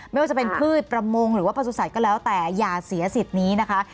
ไม่ว่าจะเป็นพืชประมงหรือว่าประสุทธิ์ก็แล้วแต่อย่าเสียสิทธิ์นี้นะคะ